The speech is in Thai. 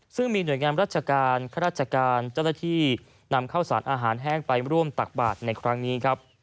ซึ่งมีหน่วยงานราชการข้าราชการเจ้าหน้าที่นำข้าวสารอาหารแห้งไปร่วมตักบาทในครั้งนี้ครับ